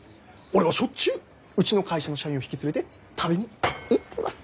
俺はしょっちゅううちの会社の社員を引き連れて食べに行ってます。